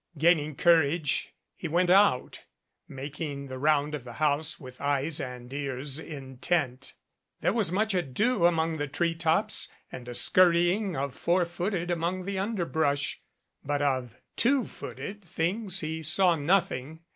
Gain ing courage, he went out, making the round of the house with eyes and ears intent. There was much ado among the tree tops and a scurrying of four footed things among the underbrush, but of two footed things he saw ^nothing.